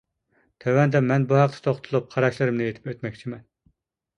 تۆۋەندە مەن بۇ ھەقتە توختىلىپ، قاراشلىرىمنى ئېيتىپ ئۆتمەكچىمەن.